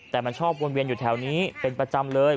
แต่มันชอบวนเวียนอยู่แถวนี้เป็นประจำเลย